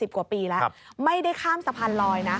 กว่าปีแล้วไม่ได้ข้ามสะพานลอยนะ